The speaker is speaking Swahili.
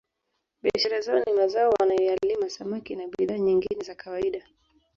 Biashara zao ni mazao wanayoyalima samaki na bidhaa nyingine za kawaida